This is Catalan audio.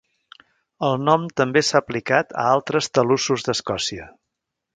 El nom també s'ha aplicat a altres talussos d'Escòcia.